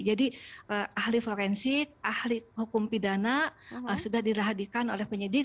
jadi ahli forensik ahli hukum pidana sudah dilahadikan oleh penyidik